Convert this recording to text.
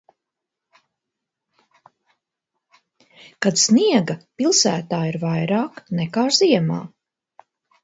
Kad sniega pilsētā ir vairāk nekā ziemā.